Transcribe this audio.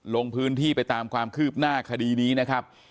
ลงพื้นที่ไปตามความคืบหน้าคดีนี้นะครับ